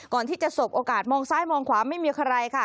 ก่อนที่จะสบโอกาสมองซ้ายมองขวาไม่มีใครค่ะ